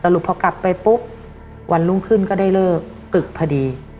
พอกลับไปปุ๊บวันรุ่งขึ้นก็ได้เลิกศึกพอดี